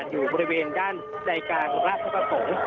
อยู่บริเวณด้านใจกลางราชประสงค์